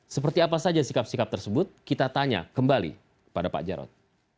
seperti apa saja sikap sikap tersebut kita tanya kembali pada pak jarod